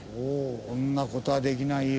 こんな事はできないよ。